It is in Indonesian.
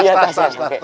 iya tas tas tas